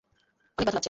অনেক ব্যাথা লাগছে।